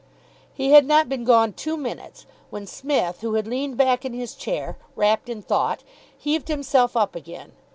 He had not been gone two minutes, when Psmith, who had leaned back in his chair, wrapped in thought, heaved himself up again.